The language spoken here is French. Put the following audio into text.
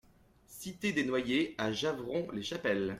Cité des Noyers à Javron-les-Chapelles